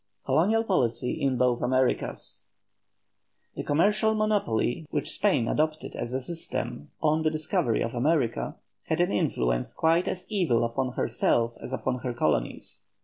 COLONIAL POLICY IN BOTH AMERICAS. The commercial monopoly which Spain adopted as a system on the discovery of America, had an influence quite as evil upon herself as upon her colonies.